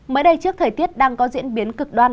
mới đây trước thời tiết đang có diễn biến cực đoan